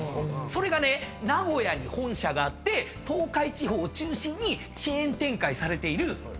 それがね名古屋に本社があって東海地方を中心にチェーン展開されているスガキヤ。